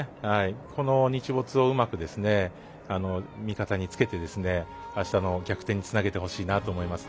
この日没をうまく味方につけてあしたの逆転につなげてほしいなと思います。